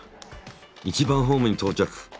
１番ホームに到着！